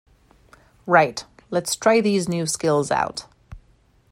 Right, lets try these new skills out!